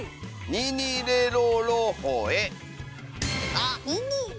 あっ！